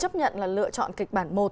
chấp nhận là lựa chọn kịch bản một